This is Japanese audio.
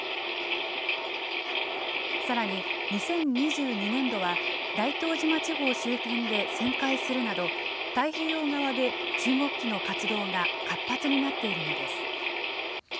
さらに、２０２２年度は、大東島地方周辺で旋回するなど、太平洋側で中国機の活動が活発になっているのです。